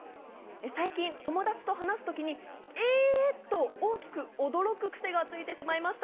最近友達と話す時に「え！」と大きく驚く癖がついてしまいました。